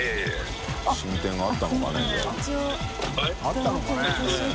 あったのかね。ねぇ。